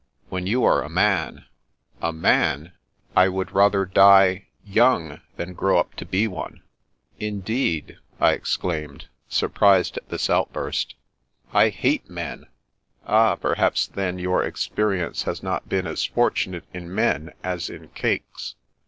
When you are a man "" A man ! I would rather die — ^young than grow up to be one." " Indeed ?" I exclaimed, surprised at this out burst. " I hate men." " Ah, perhaps then, your experience has not been as fortunate in men as in cakes."